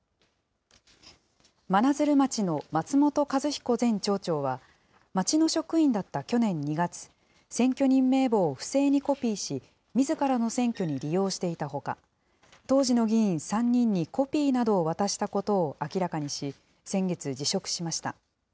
真鶴町の松本一彦前町長は、町の職員だった去年２月、選挙人名簿を不正にコピーし、みずからの選挙に利用していたほか、当時の議員３人にコピーなどを渡したことを明らかにし、先月、辞職しました。